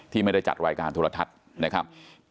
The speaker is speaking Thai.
ที่ไม่ได้จัดวัยการธุรทัศน์นะครับ